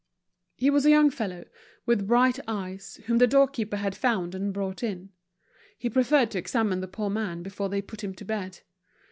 He was a young fellow, with bright eyes, whom the doorkeeper had found and brought in. He preferred to examine the poor man before they put him to bed.